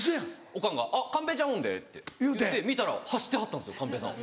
オカンが「あっ寛平ちゃんおんで」って言って見たら走ってはったんですよ寛平さん。